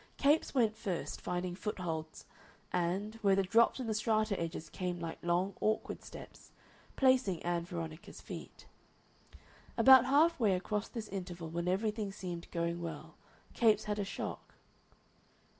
Capes went first, finding footholds and, where the drops in the strata edges came like long, awkward steps, placing Ann Veronica's feet. About half way across this interval, when everything seemed going well, Capes had a shock.